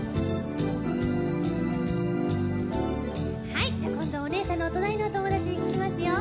はいこんどはおねえさんのおとなりのおともだちにききますよ。